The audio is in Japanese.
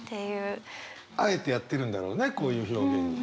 あえてやってるんだろうねこういう表現に。